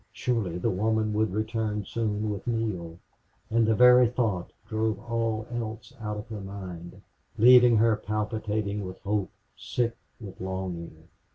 Surely the woman would return soon with Neale. And the very thoughts drove all else out of her mind, leaving her palpitating with hope, sick with longing.